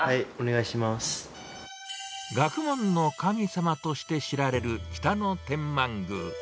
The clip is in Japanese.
学問の神様として知られる、北野天満宮。